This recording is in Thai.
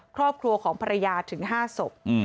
ครอบครัวของภรรยาถึง๕ศพ